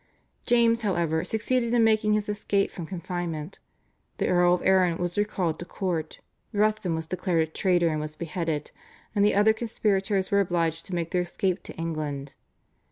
James, however, succeeded in making his escape from confinement; the Earl of Arran was recalled to court; Ruthven was declared a traitor and was beheaded, and the other conspirators were obliged to make their escape to England.